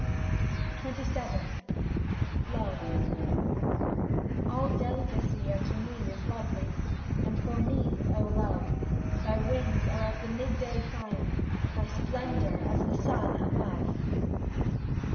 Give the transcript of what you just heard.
39 XXVII LOVE All delicacy unto me is lovely, and for me, O Love ! Thy wings are as the midday fire. Thy splendour as the sun above.